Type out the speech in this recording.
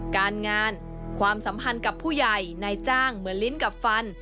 การงานความสัมพันธ์กับผู้ใหญ่นายจ้างเหมือนลิ้นกับฟัน